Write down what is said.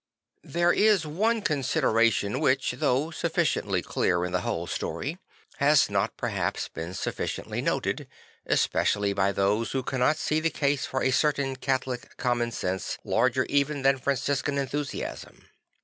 There is one consideration which, though sufficiently clear in the whole story, has not perhaps been sufficiently noted, especially by those who cannot see the case for a certain Catholic common sense larger even than Franciscan enthusiasm.